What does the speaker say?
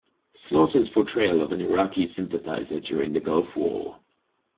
Slaughter's portrayal of an Iraqi sympathizer during the Gulf War.